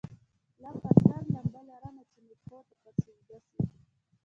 لا پر سر لمبه لرمه چي مي پښو ته پر سجده سي